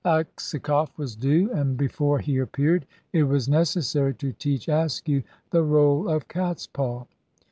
Aksakoff was due, and before he appeared it was necessary to teach Askew the rôle of cat's paw.